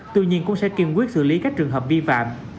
tuy nhiên cũng sẽ kiên quyết xử lý các trường hợp vi phạm